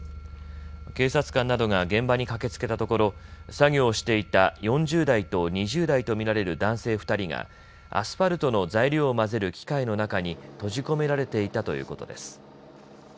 警察官などが現場に駆けつけたところ、作業をしていた４０代と２０代と見られる男性２人がアスファルトの材料を混ぜる機械の中に閉じ込められていたということです。